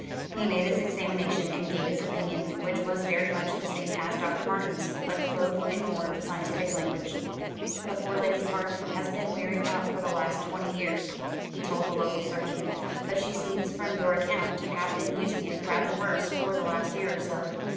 He made his examination and gave his opinion, which was very much the same as Dr. Martin's, but clothed in more scientific language. "This poor lady's heart has been wearing out for the last twenty years," he told the local surgeon; "but she seems, from your account, to have been using it rather worse for the last year or so.